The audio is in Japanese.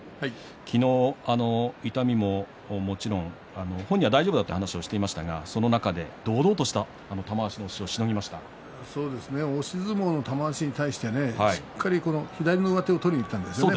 昨日、痛みももちろん本人は大丈夫だという話をしていましたが、その中で堂々とした玉鷲の押しを押し相撲の玉鷲に対してしっかりと左の上手を取りにいったんですよね